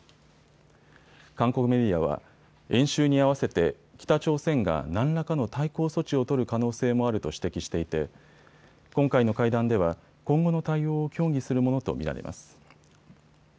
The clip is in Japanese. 韓国メディアは、演習に合わせて、北朝鮮が何らかの対抗措置を取る可能性もあると指摘していて今回の会談では今後の対応を協議するものと見られます。